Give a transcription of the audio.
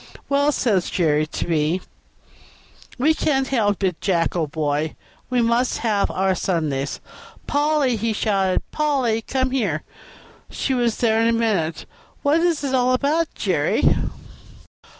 "Well," says Jerry to me, "we can't help it, Jack, old boy; we must have our Sundays." "Polly!" he shouted, "Polly! come here." She was there in a minute. "What is it all about, Jerry?"